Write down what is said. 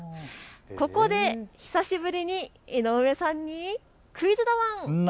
ここで久しぶりに井上さんにクイズだワン！